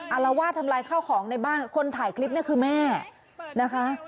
อารวาสทำลายข้าวของในบ้านคนถ่ายคลิปเนี่ยคือแม่นะคะ